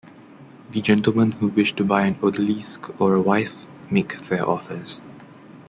The gentlemen who wish to buy an odalisque or a wife, make their offers.